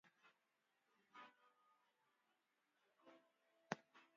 قەترەیەکیشمان نەچۆتە دەروونەوە